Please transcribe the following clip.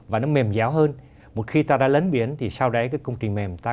và nó mềm dẻo hơn một khi ta đã lấn biển thì sao để công trình mềm ta